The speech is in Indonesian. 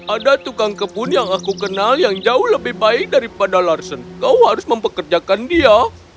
ada tukang kebun yang aku kenal yang jauh lebih baik daripada larsen kau harus mempekerjakan dia